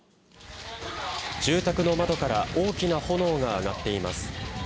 住宅の窓から大きな炎が上がっています。